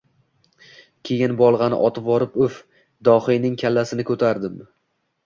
Keyin bolg‘ani otvorib, uf, dohiyning kallasini ko‘tardim.